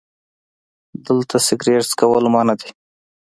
🚭 دلته سګرټ څکل منع دي